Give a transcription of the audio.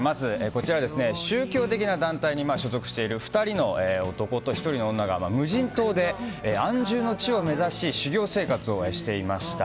こちら、宗教的な団体に所属している２人の男と１人の女が無人島で安住の地を目指し修行生活をしていました。